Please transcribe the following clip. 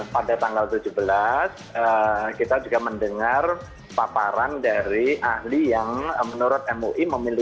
pada tanggal tujuh belas kita juga mendengar paparan dari ahli yang menurut mui